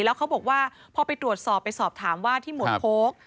แล้วเขาบอกว่าพอไปตรวจสอบไปสอบถามว่าที่หมวดโค้ก